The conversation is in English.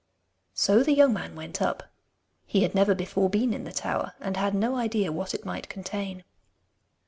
So the young man went up. He had never before been in the tower, and had no idea what it might contain.